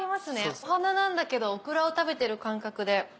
お花なんだけどオクラを食べてる感覚で。